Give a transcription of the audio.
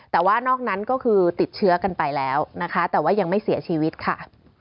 แต่ว่านอกนั้นก็คือติดเชื้อกันไปแล้วนะคะแต่ว่ายังไม่เสียชีวิตค่ะ